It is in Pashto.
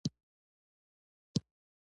🚖 ټکسي